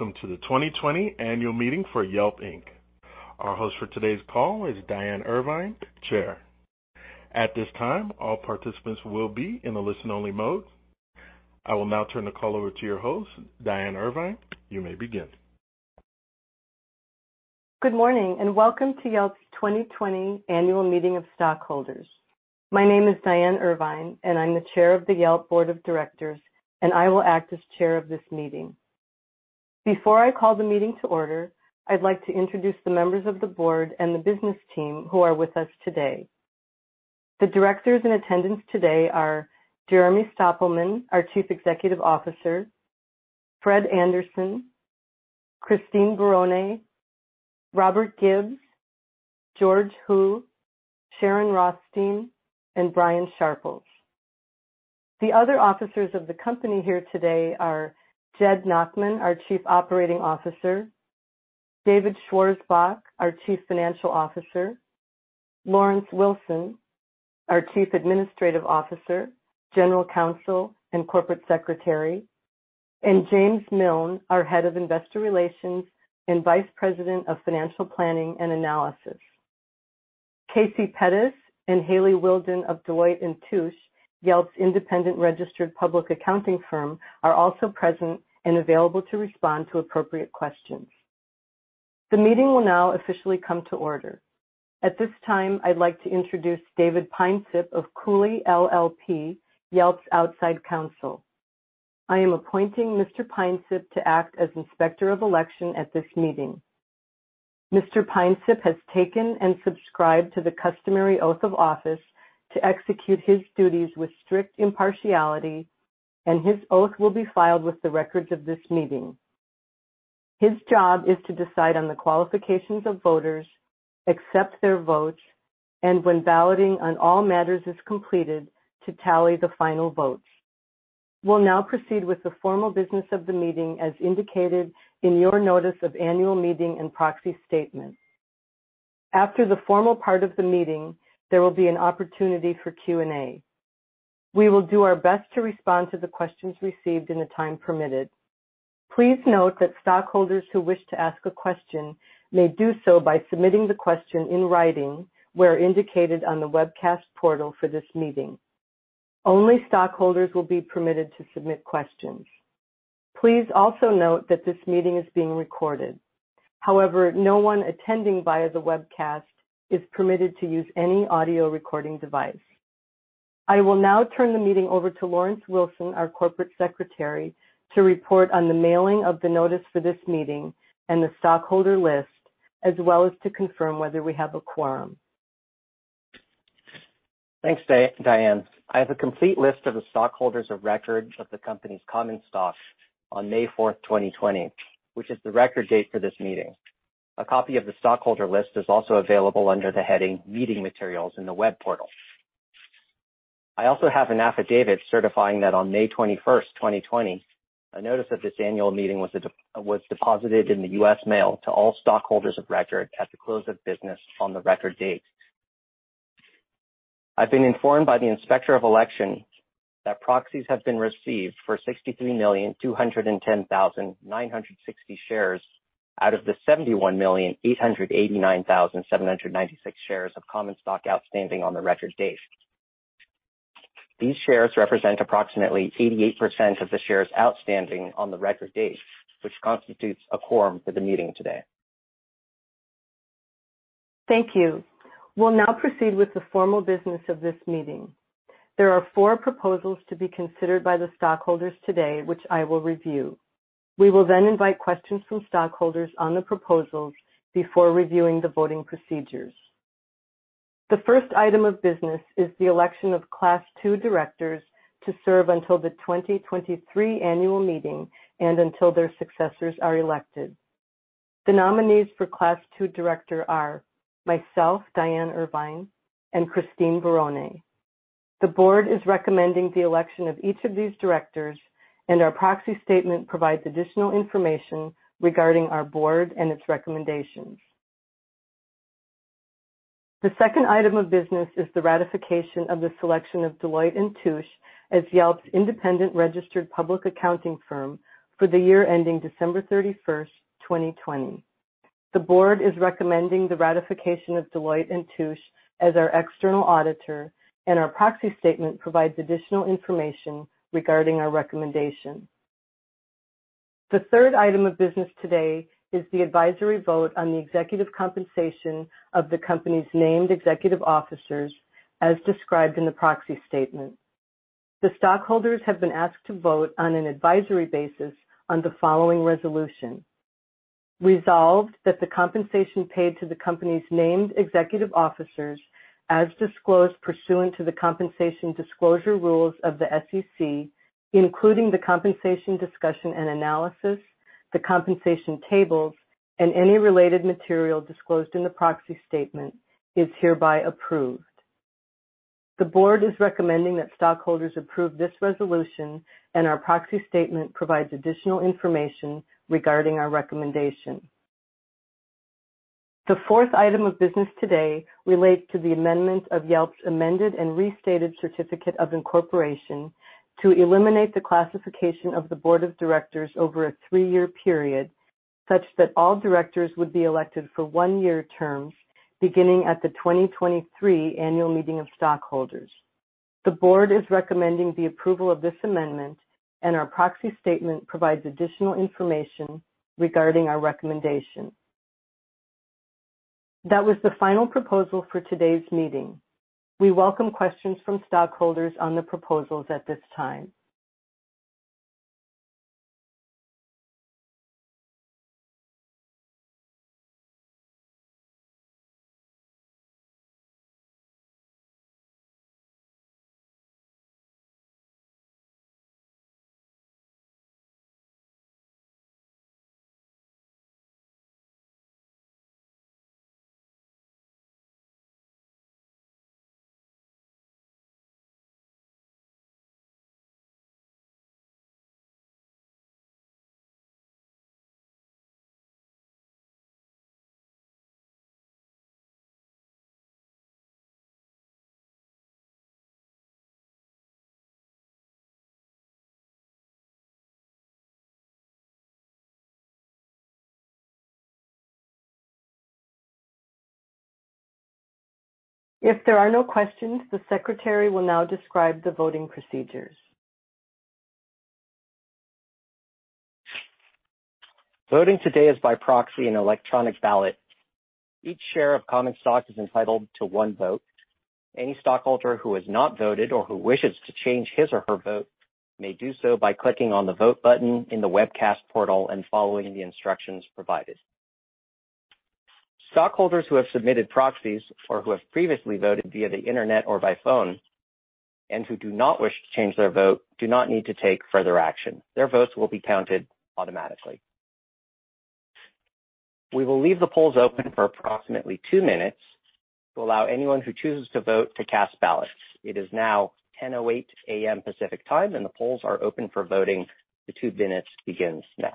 Welcome to the 2020 annual meeting for Yelp Inc. Our host for today's call is Diane Irvine, Chair. At this time, all participants will be in a listen-only mode. I will now turn the call over to your host, Diane Irvine. You may begin. Good morning, welcome to Yelp's 2020 annual meeting of stockholders. My name is Diane Irvine, I'm the Chair of the Yelp Board of Directors, I will act as chair of this meeting. Before I call the meeting to order, I'd like to introduce the members of the board and the business team who are with us today. The directors in attendance today are Jeremy Stoppelman, our Chief Executive Officer, Fred Anderson, Christine Barone, Robert Gibbs, George Hu, Sharon Rothstein, and Brian Sharples. The other officers of the company here today are Jed Nachman, our Chief Operating Officer, David Schwarzbach, our Chief Financial Officer, Laurence Wilson, our Chief Administrative Officer, General Counsel, and Corporate Secretary, and James Miln, our Head of Investor Relations and Vice President of Financial Planning and Analysis. Kasey Pettis and Haley Whildin of Deloitte & Touche, Yelp's independent registered public accounting firm, are also present and available to respond to appropriate questions. The meeting will now officially come to order. At this time, I'd like to introduce David Peinsipp of Cooley LLP, Yelp's outside counsel. I am appointing Mr. Peinsipp to act as Inspector of Election at this meeting. Mr. Peinsipp has taken and subscribed to the customary oath of office to execute his duties with strict impartiality, and his oath will be filed with the records of this meeting. His job is to decide on the qualifications of voters, accept their votes, and when balloting on all matters is completed, to tally the final votes. We'll now proceed with the formal business of the meeting, as indicated in your notice of annual meeting and proxy statement. After the formal part of the meeting, there will be an opportunity for Q&A. We will do our best to respond to the questions received in the time permitted. Please note that stockholders who wish to ask a question may do so by submitting the question in writing where indicated on the webcast portal for this meeting. Only stockholders will be permitted to submit questions. Please also note that this meeting is being recorded. No one attending via the webcast is permitted to use any audio recording device. I will now turn the meeting over to Laurence Wilson, our Corporate Secretary, to report on the mailing of the notice for this meeting and the stockholder list, as well as to confirm whether we have a quorum. Thanks, Diane. I have a complete list of the stockholders of record of the company's common stock on May fourth 2020, which is the record date for this meeting. A copy of the stockholder list is also available under the heading Meeting Materials in the web portal. I also have an affidavit certifying that on May 21st 2020, a notice of this annual meeting was deposited in the U.S. mail to all stockholders of record at the close of business on the record date. I've been informed by the Inspector of Election that proxies have been received for 63,210,960 shares out of the 71,889,796 shares of common stock outstanding on the record date. These shares represent approximately 88% of the shares outstanding on the record date, which constitutes a quorum for the meeting today. Thank you. We'll now proceed with the formal business of this meeting. There are four proposals to be considered by the stockholders today, which I will review. We will then invite questions from stockholders on the proposals before reviewing the voting procedures. The first item of business is the election of Class II directors to serve until the 2023 annual meeting and until their successors are elected. The nominees for Class II director are myself, Diane Irvine, and Christine Barone. The board is recommending the election of each of these directors, and our proxy statement provides additional information regarding our board and its recommendations. The second item of business is the ratification of the selection of Deloitte & Touche as Yelp's independent registered public accounting firm for the year ending December 31, 2020. The board is recommending the ratification of Deloitte & Touche as our external auditor, and our proxy statement provides additional information regarding our recommendation. The third item of business today is the advisory vote on the executive compensation of the company's named executive officers, as described in the proxy statement. The stockholders have been asked to vote on an advisory basis on the following resolution. Resolved that the compensation paid to the company's named executive officers, as disclosed pursuant to the compensation disclosure rules of the SEC, including the compensation discussion and analysis, the compensation tables, and any related material disclosed in the proxy statement, is hereby approved. The Board is recommending that stockholders approve this resolution, and our proxy statement provides additional information regarding our recommendation. The fourth item of business today relates to the amendment of Yelp's amended and restated certificate of incorporation to eliminate the classification of the Board of Directors over a three-year period, such that all directors would be elected for one-year terms beginning at the 2023 Annual Meeting of Stockholders. The Board is recommending the approval of this amendment, and our proxy statement provides additional information regarding our recommendation. That was the final proposal for today's meeting. We welcome questions from stockholders on the proposals at this time. If there are no questions, the Secretary will now describe the voting procedures. Voting today is by proxy and electronic ballot. Each share of common stock is entitled to one vote. Any stockholder who has not voted or who wishes to change his or her vote may do so by clicking on the Vote button in the webcast portal and following the instructions provided. Stockholders who have submitted proxies or who have previously voted via the internet or by phone and who do not wish to change their vote do not need to take further action. Their votes will be counted automatically. We will leave the polls open for approximately two minutes to allow anyone who chooses to vote to cast ballots. It is now 10:08 A.M. Pacific Time, and the polls are open for voting. The two minutes begins now.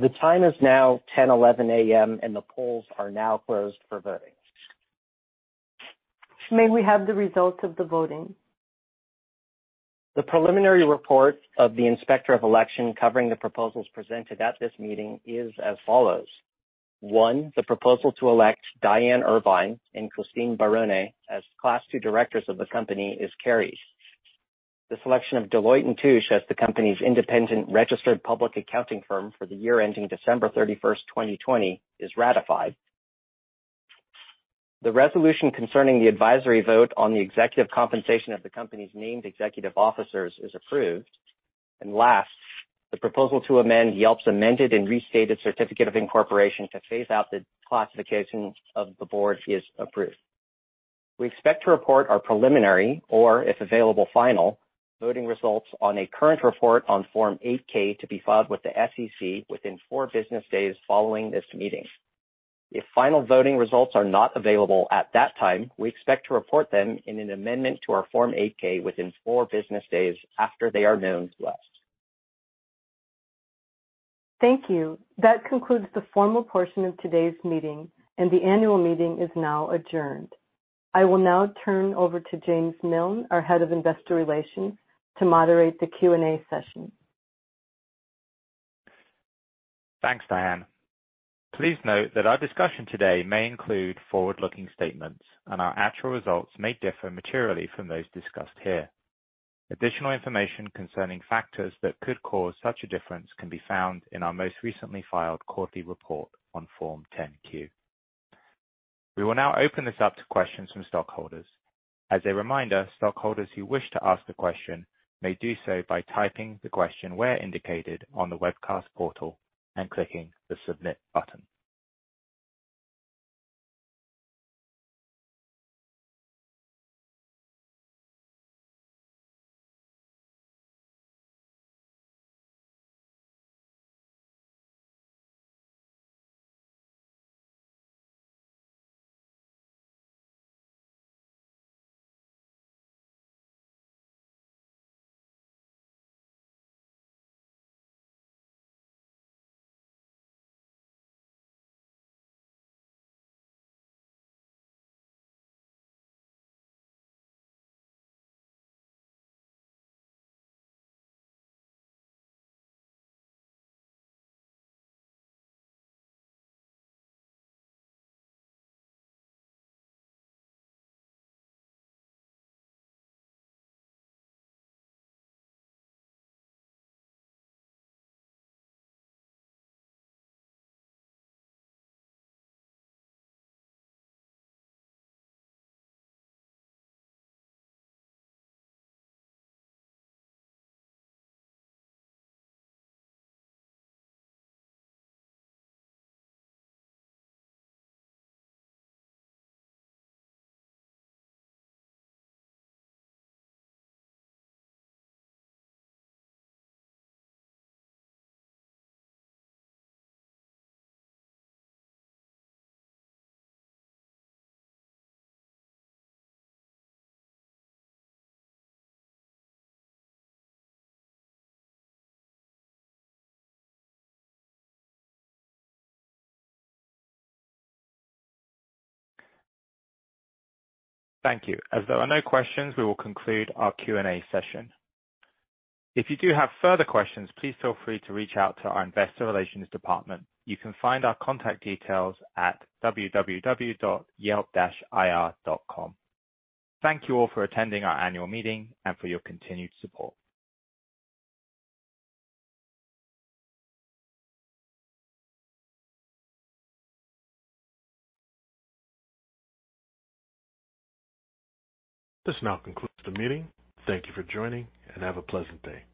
The time is now 10:11 A.M., and the polls are now closed for voting. May we have the results of the voting? The preliminary report of the Inspector of Election covering the proposals presented at this meeting is as follows. One, the proposal to elect Diane Irvine and Christine Barone as Class II directors of the company is carried. The selection of Deloitte & Touche as the company's independent registered public accounting firm for the year ending December 31, 2020, is ratified. The resolution concerning the advisory vote on the executive compensation of the company's named executive officers is approved. Last, the proposal to amend Yelp's amended and restated certificate of incorporation to phase out the classification of the board is approved. We expect to report our preliminary, or if available, final voting results on a current report on Form 8-K to be filed with the SEC within four business days following this meeting. If final voting results are not available at that time, we expect to report them in an amendment to our Form 8-K within four business days after they are known to us. Thank you. That concludes the formal portion of today's meeting, and the annual meeting is now adjourned. I will now turn over to James Miln, our Head of Investor Relations, to moderate the Q&A session. Thanks, Diane. Please note that our discussion today may include forward-looking statements, and our actual results may differ materially from those discussed here. Additional information concerning factors that could cause such a difference can be found in our most recently filed quarterly report on Form 10-Q. We will now open this up to questions from stockholders. As a reminder, stockholders who wish to ask a question may do so by typing the question where indicated on the webcast portal and clicking the submit button. Thank you. As there are no questions, we will conclude our Q&A session. If you do have further questions, please feel free to reach out to our investor relations department. You can find our contact details at yelp-ir.com. Thank you all for attending our annual meeting and for your continued support. This now concludes the meeting. Thank you for joining, and have a pleasant day.